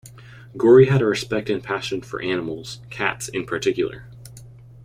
Gorey had a respect and passion for animals, cats in particular.